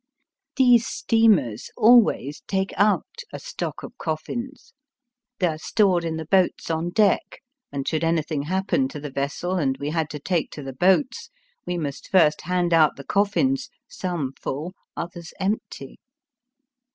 These steamers always take out a stock of coffins. They are stored in the boats on deck, Digitized by VjOOQIC 172 EAST BY WEST. and should anything happen to the vessel and we had to take to the boats, we must first hand out the ooflSns, some full, others empty.